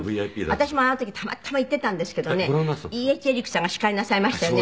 私もあの時たまたま行っていたんですけどねＥ・Ｈ・エリックさんが司会なさいましたよね。